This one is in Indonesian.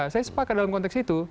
saya sepakat dalam konteks itu